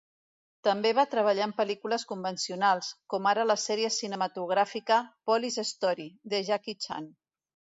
També va treballar en pel·lícules convencionals, com ara la sèrie cinematogràfica "Police Story", de Jackie Chan.